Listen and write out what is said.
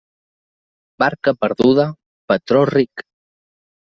Barca perduda, patró ric.